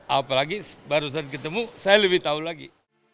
apalagi barusan ketemu saya lebih tahu lagi